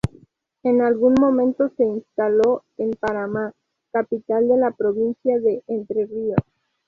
En algún momento se instaló en Paraná, capital de la provincia de Entre Ríos.